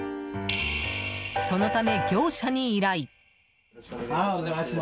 そのため、業者に依頼。